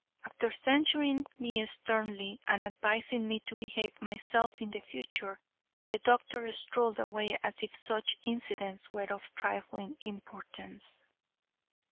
After censuring me sternly and advising me to behave myself in the future, the doctor strolled away as if such incidents were of trifling importance.